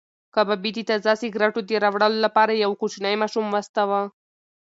کبابي د تازه سکروټو د راوړلو لپاره یو کوچنی ماشوم واستاوه.